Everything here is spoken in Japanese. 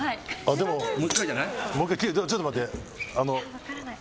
ちょっと待って。